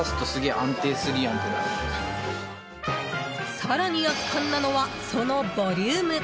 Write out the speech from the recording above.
更に圧巻なのはそのボリューム。